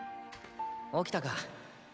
起きたか。